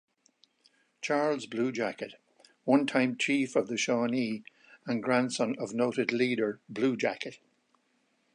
Charles Bluejacket, one-time chief of the Shawnee and grandson of noted leader Blue Jacket.